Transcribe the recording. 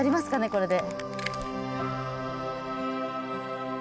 これで。